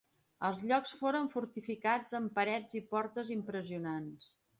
Els llocs foren fortificats amb parets i portes impressionants.